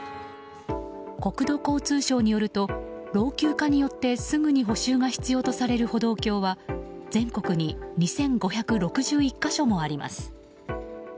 国土交通省によると老朽化によってすぐに補修が必要とされる歩道橋は全国に２５６１か所もあります。